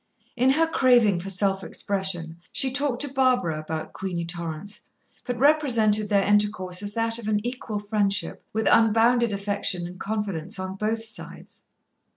In her craving for self expression, she talked to Barbara about Queenie Torrance, but represented their intercourse as that of an equal friendship, with unbounded affection and confidence on both sides.